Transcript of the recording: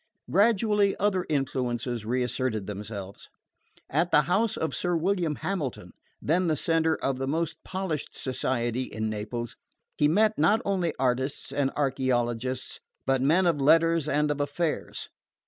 Gradually other influences reasserted themselves. At the house of Sir William Hamilton, then the centre of the most polished society in Naples, he met not only artists and archeologists, but men of letters and of affairs.